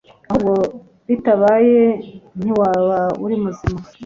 ahubwo bitabaye ntiwaba uri muzima